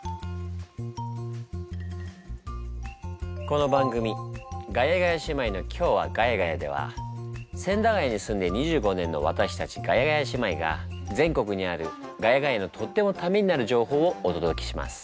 この番組「ガヤガヤ姉妹の今日はガヤガヤ」では千駄ヶ谷に住んで２５年のわたしたちガヤガヤ姉妹が全国にある「ヶ谷街」のとってもタメになる情報をおとどけします。